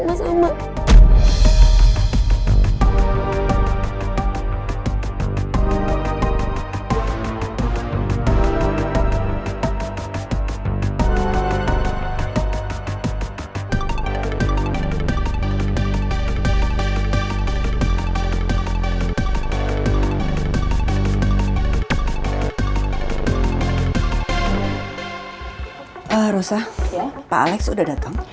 pak alex udah datang